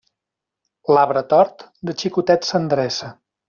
L'arbre tort, de xicotet s'endreça.